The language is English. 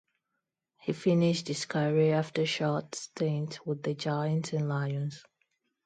He finished his career after short stints with the Giants and Lions.